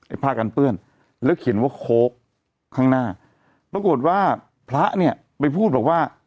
ผ้ากันเปื้อนแล้วเขียนว่าโค้กข้างหน้าปรากฏว่าพระเนี่ยไปพูดบอกว่า